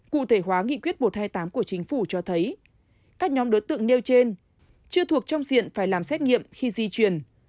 cụ thể hóa nghị quyết một trăm hai mươi tám của chính phủ cho thấy các nhóm đối tượng nêu trên chưa thuộc trong diện phải làm xét nghiệm khi di chuyển